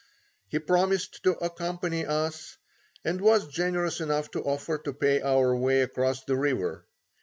He promised to accompany us, and was generous enough to offer to pay our way across the river.